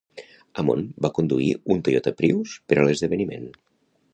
Amon va conduir un Toyota Prius per a l'esdeveniment.